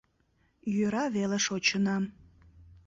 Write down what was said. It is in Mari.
Йӧра веле шочынам».